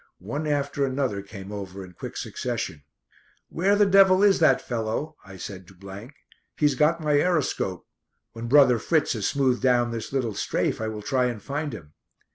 One after another came over in quick succession. "Where the devil is that fellow?" I said to . "He's got my aeroscope. When brother Fritz has smoothed down this little 'strafe' I will try and find him."